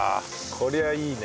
こりゃいいね。